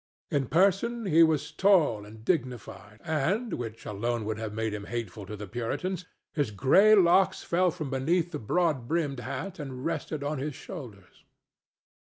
In person he was tall and dignified, and, which alone would have made him hateful to the Puritans, his gray locks fell from beneath the broad brimmed hat and rested on his shoulders.